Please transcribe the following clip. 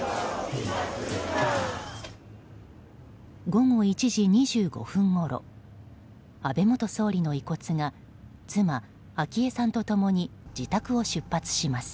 午後１時２５分ごろ安倍元総理の遺骨が妻・昭恵さんと共に自宅を出発します。